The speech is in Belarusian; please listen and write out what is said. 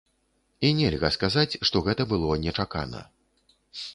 І нельга сказаць, што гэта было нечакана.